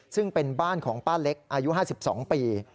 ซึ่งเป็นบ้านของป้าเล็กอายุ๕๒ปี